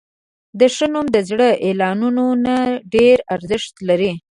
ښه نوم د زرو اعلانونو نه ډېر ارزښت لري.